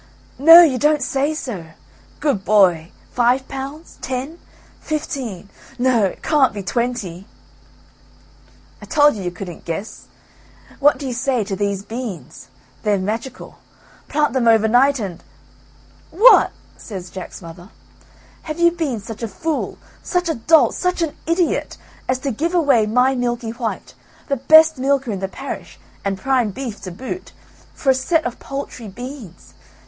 "No, you don't say so. Good boy! Five pounds, ten, fifteen, no, it can't be twenty." "I told you you couldn't guess, what do you say to these beans; they're magical, plant them over night and " "What!" says Jack's mother, "have you been such a fool, such a dolt, such an idiot, as to give away my Milky white, the best milker in the parish, and prime beef to boot, for a set of paltry beans.